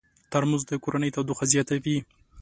ترموز د کورنۍ تودوخه زیاتوي.